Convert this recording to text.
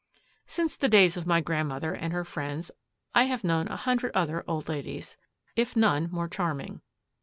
Since the days of my grandmother and her friends I have known a hundred other old ladies, if none more charming.